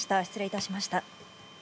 失礼いたしました。